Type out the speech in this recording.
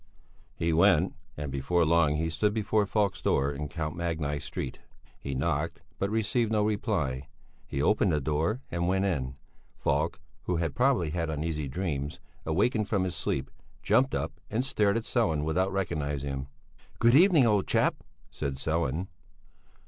He went, and before long he stood before Falk's door in Count Magni Street. He knocked, but received no reply. He opened the door and went in. Falk, who had probably had uneasy dreams, awakened from his sleep, jumped up and stared at Sellén without recognizing him. "Good evening, old chap," said Sellén.